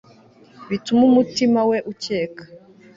Bitume umutima we ukeka